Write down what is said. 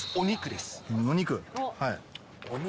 お肉？